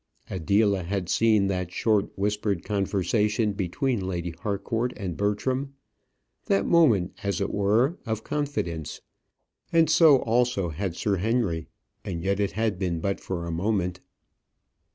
Adela had seen that short, whispered conversation between Lady Harcourt and Bertram that moment, as it were, of confidence; and so, also, had Sir Henry; and yet it had been but for a moment.